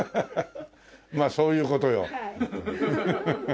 まあそういう事よ。